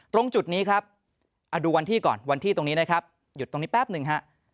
ตรงจุดนี้ครับเอาดูวันที่ก่อนวันที่ตรงนี้นะครับหยุดตรงนี้แป๊บหนึ่งฮะ